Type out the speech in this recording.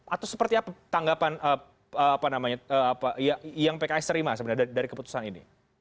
atau seperti apa tanggapan yang pks terima sebenarnya dari keputusan ini